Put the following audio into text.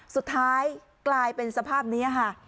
สุดท้ายกลายเป็นสภาพนี้ค่ะ